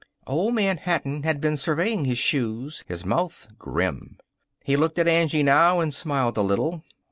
Old Man Hatton had been surveying his shoes, his mouth grim. He looked at Angie now and smiled a little.